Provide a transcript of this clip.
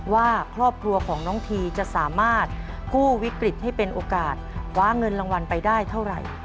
ว่าครอบครัวของน้องทีจะสามารถกู้วิกฤตให้เป็นโอกาสคว้าเงินรางวัลไปได้เท่าไหร่